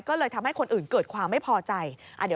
ก็เลยทำให้คนอื่นเกิดความไม่พอใจ